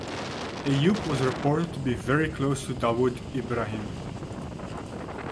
Ayoob was reported to be very close to Dawood Ibrahim.